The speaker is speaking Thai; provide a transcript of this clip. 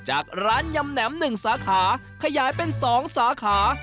จากร้านยำแหนมหนึ่งสาขาขยายกันเป็นสองสาขา